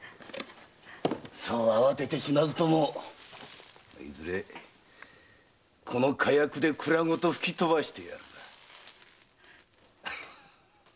そう慌てて死なずともいずれこの火薬で蔵ごと吹き飛ばしてやる。